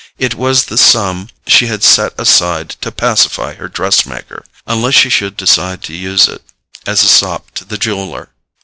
It was the sum she had set aside to pacify her dress maker—unless she should decide to use it as a sop to the jeweller.